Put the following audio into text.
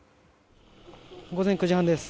午前９時半です。